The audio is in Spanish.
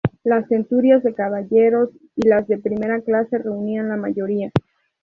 Las centurias de caballeros y las de primera clase reunían la mayoría.